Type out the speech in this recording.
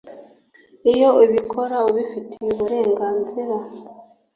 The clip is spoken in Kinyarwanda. Iyo ubikora abifitiye uburenganzira